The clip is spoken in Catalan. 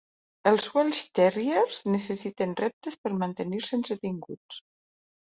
Els welsh terriers necessiten reptes per mantenir-se entretinguts.